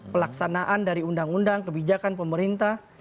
pelaksanaan dari undang undang kebijakan pemerintah